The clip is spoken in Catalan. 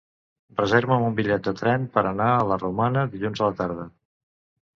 Reserva'm un bitllet de tren per anar a la Romana dilluns a la tarda.